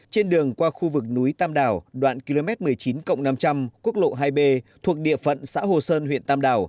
trên đường qua khu vực núi tam đảo đoạn km một mươi chín cộng năm trăm linh quốc lộ hai b thuộc địa phận xã hồ sơn huyện tam đảo